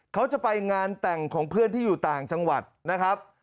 เขาจะไปงานแต่งของเพื่อนที่อยู่ต่างจังหวัดนะครับ